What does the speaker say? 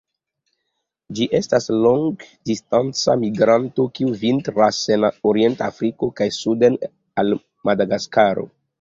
Ĝi estas longdistanca migranto, kiu vintras en orienta Afriko kaj suden al Madagaskaro.